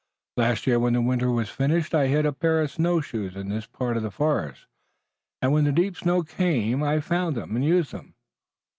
"Last year when the winter was finished I hid a pair of snow shoes in this part of the forest, and when the deep snow came I found them and used them."